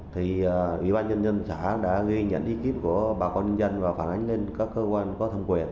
thì ủy ban nhân dân xã đã ghi nhận ý kiến của bà con nhân dân và phản ánh lên các cơ quan có thông quyền